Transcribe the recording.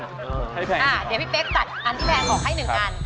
เดี๋ยวพี่เป๊กตัดอันที่แพงออกให้๑อัน